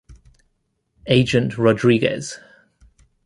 Agent Rodriguez.